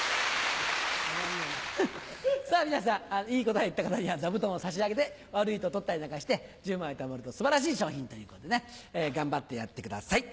皆さんいい答えを言った方には座布団を差し上げて悪いと取ったりなんかして１０枚たまると素晴らしい賞品ということで頑張ってやってください。